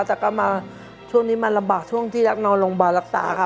แต่ก็มันระบากช่วงที่ตั้งแต่นอนลงบาลรักษาค่ะ